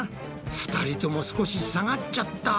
２人とも少し下がっちゃった。